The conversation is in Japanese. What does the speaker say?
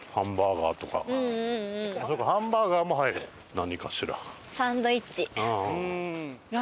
何かしら。